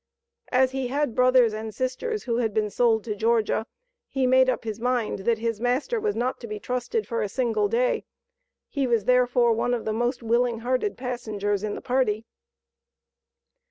As he had brothers and sisters who had been sold to Georgia he made up his mind that his master was not to be trusted for a single day; he was therefore one of the most willing hearted passengers in the party.